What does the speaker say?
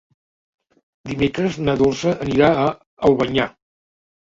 Dimecres na Dolça anirà a Albanyà.